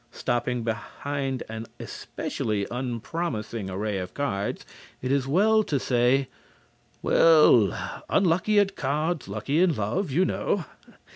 Stopping behind an especially unpromising array of cards, it is well to say: "Well, unlucky at cards, lucky in love, you know."